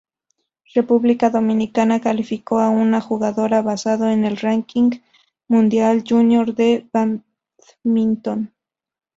República Dominicana calificó a una jugadora basado en el ranking mundial junior de bádminton.